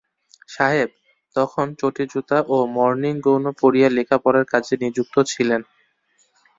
সাহেব, তখন চটিজুতা ও মর্নিংগৌন পরিয়া লেখাপড়ার কাজে নিযুক্ত ছিলেন।